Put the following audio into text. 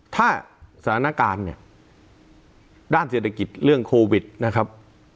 ถ้าสถานการณ์เนี่ยด้านเศรษฐกิจเรื่องโควิดนะครับ